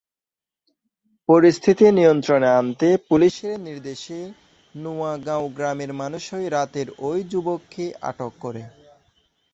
পরিস্থিতি নিয়ন্ত্রণে আনতে পুলিশের নির্দেশে নোয়াগাঁও গ্রামের মানুষই রাতেই ওই যুবককে আটক করে।